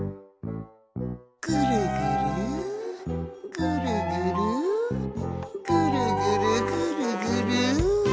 「ぐるぐるぐるぐるぐるぐるぐるぐる」